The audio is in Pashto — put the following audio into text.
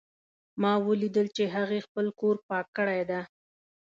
ما ولیدل چې هغې خپل کور پاک کړی ده